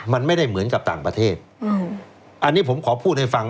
มันไม่ได้เหมือนกับต่างประเทศอืมอันนี้ผมขอพูดให้ฟัง